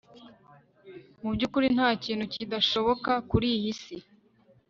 mubyukuri ntakintu kidashoboka kuriyi si